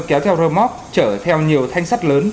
kéo theo rơ móc chở theo nhiều thanh sắt lớn